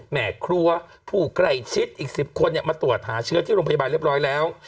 แม่ครัวผู้ใกล้ชิดอีก๑๐คนมาตรวจหาเชื้อที่โรงพยาบาลเรียบร้อยแล้ว